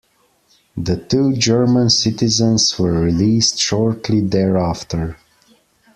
The two German citizens were released shortly thereafter.